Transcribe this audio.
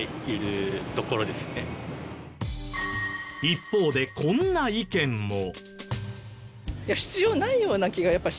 一方でこんな意見も。